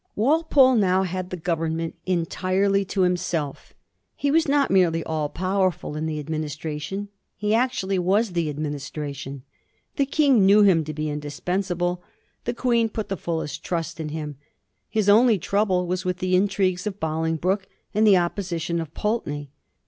Walpole now had the Government entirely to himself. He was not merely all powerful in the administration, he actually was the administration. The King knew him to be indispensable ; the Queen put the fullest trust in him. His only trouble was with the intrigues of Bolingbroke and the opposition of Pulteney.